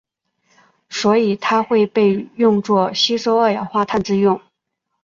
所以它会被用作吸收二氧化碳之用。